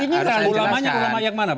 ini harus dijelaskan